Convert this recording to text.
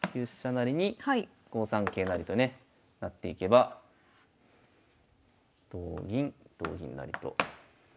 成に５三桂成とねなっていけば同銀同銀成と。